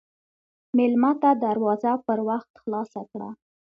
مېلمه ته دروازه پر وخت خلاصه کړه.